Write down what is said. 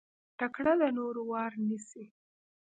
تکړه د نورو وار نيسي.